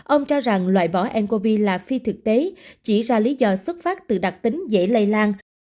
ông cho rằng loại bỏ ncov là phi thực tế chỉ ra lý do xuất phát từ đặc tính dễ lây lan